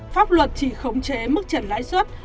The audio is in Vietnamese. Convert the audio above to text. pháp luật chỉ khống chế mức trần lãi suất